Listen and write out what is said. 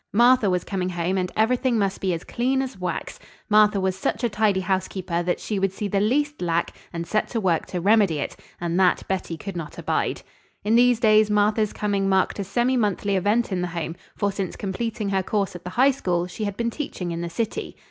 Martha was coming home and everything must be as clean as wax. Martha was such a tidy housekeeper that she would see the least lack and set to work to remedy it, and that Betty could not abide. In these days Martha's coming marked a semimonthly event in the home, for since completing her course at the high school she had been teaching in the city.